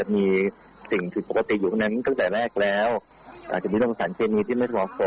มันตัวได้